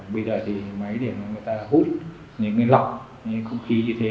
bây giờ thì máy để mà người ta hút nên lọc những không khí như thế